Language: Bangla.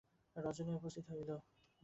রজনী উপস্থিত হইল।